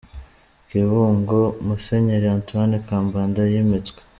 Kibungo : Musenyeri Antoine Kambanda yimitswe.